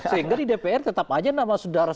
sehingga di dpr tetap aja nama saudara